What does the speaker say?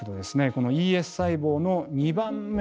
このＥＳ細胞の２番目の能力